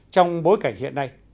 trong bối cảnh hiện nay